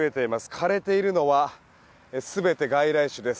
枯れているのは全て外来種です。